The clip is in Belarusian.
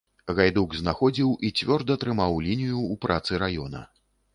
Гайдук знаходзіў і цвёрда трымаў лінію ў працы раёна.